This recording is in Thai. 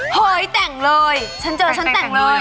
เฮ้ยแต่งเลยฉันเจอฉันแต่งเลย